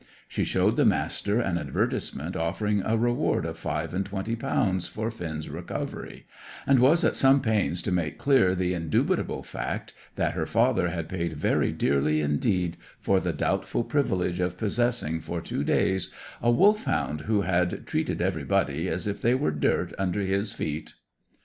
She showed the Master an advertisement offering a reward of five and twenty pounds for Finn's recovery, and was at some pains to make clear the indubitable fact that her father had paid very dearly indeed for the doubtful privilege of possessing for two days a Wolfhound who had "treated everybody as if they were dirt under his feet."